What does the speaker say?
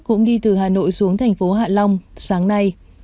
cũng đi từ hà nội xuống thành phố hạ long sáng nay